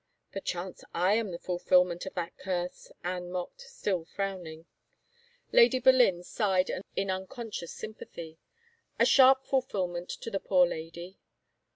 " Perchance I am the fulfillment of that curse," Anne mocked, still frowning. Lady Boleyn sighed in tmconscious sympathy. " A sharp fulfillment to the poor lady."